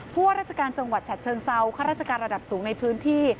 ว่าราชการจังหวัดฉัดเชิงเซาข้าราชการระดับสูงในพื้นที่